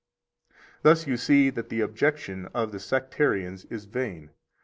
55 Thus you see that the objection of the sectarians is vain.